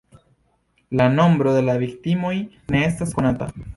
La nombro de la viktimoj ne estas konata.